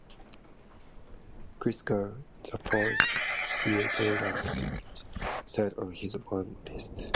Christgau, the poll's creator, ranked it third on his own list.